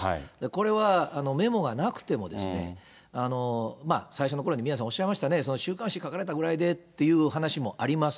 これはメモがなくてもですね、最初のころに宮根さんおっしゃいましたね、その週刊誌書かれてぐらいでっていう話もあります。